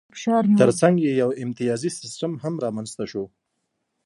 ترڅنګ یې یو امتیازي سیستم هم رامنځته شو